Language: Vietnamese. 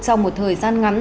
trong một thời gian ngắn